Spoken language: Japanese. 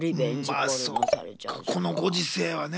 写真でこのご時世はね。